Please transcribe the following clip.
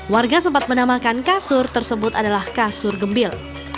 warga sempat menamakan kasur tersebut adalah kasur gembil